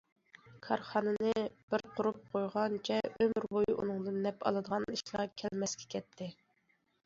كارخانىنى بىر قۇرۇپ قويغانچە ئۆمۈر بويى ئۇنىڭدىن نەپ ئالىدىغان ئىشلار كەلمەسكە كەتتى.